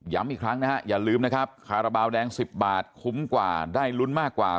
อีกครั้งนะฮะอย่าลืมนะครับคาราบาลแดง๑๐บาทคุ้มกว่าได้ลุ้นมากกว่า